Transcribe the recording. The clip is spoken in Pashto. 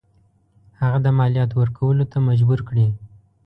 هغه د مالیاتو ورکولو ته مجبور کړي.